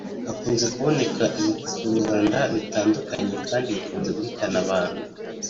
hakunze kuboneka ibikururanda bitandukanye kandi bikunze guhitana abantu